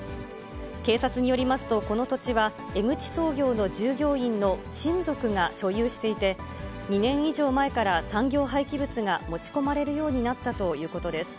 警察によりますと、この土地は江口総業の従業員の親族が所有していて、２年以上前から産業廃棄物が持ち込まれるようになったということです。